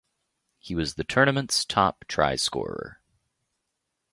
He was the tournament's top try-scorer.